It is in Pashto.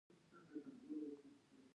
ایا زه ښه ناروغ یم؟